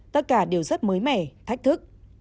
tất cả đều rất mới mẻ thách thức